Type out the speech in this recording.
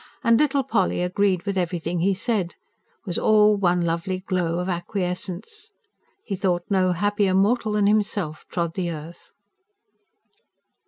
And little Polly agreed with everything he said was all one lovely glow of acquiescence. He thought no happier mortal than himself trod the earth.